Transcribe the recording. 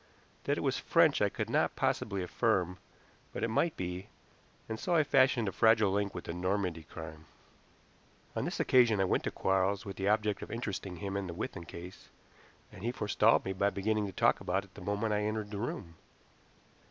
That it was French I could not possibly affirm, but it might be, and so I fashioned a fragile link with the Normandy crime. On this occasion I went to Quarles with the object of interesting him in the Withan case, and he forestalled me by beginning to talk about it the moment I entered the room.